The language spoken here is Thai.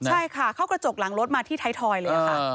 ใช่ค่ะเข้ากระจกหลังรถมาที่ไทยทอยเลยค่ะ